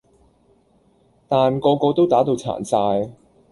但個個都打到殘晒